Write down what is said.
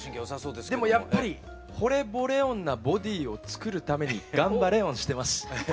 でもやっぱりほれぼレオンなボディーをつくるためにがんばレオンしてます。